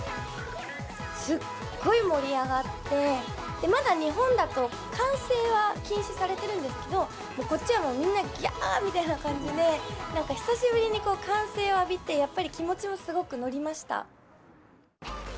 すっごい盛り上がって、まだ日本だと歓声は禁止されてるんですけど、こっちはもうみんなぎゃーみたいな感じで、なんか久しぶりに歓声を浴びて、やっぱり気持ちもすごく乗りました。